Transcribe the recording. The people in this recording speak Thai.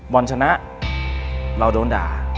บอลชนะเราโดนด่า